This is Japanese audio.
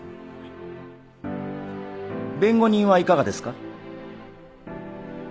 弁護人はいかがですか？